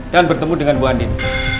dan bertemu dengan bu andin